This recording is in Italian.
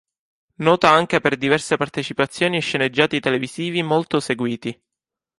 Nota anche per diverse partecipazioni a sceneggiati televisivi molto seguiti.